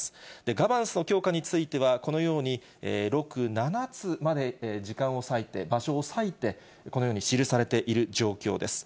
ガバナンスの強化については、このように６、７つまで時間を割いて、場所を割いて、このように記されている状況です。